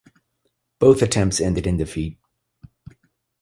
Both attempts ended in defeat.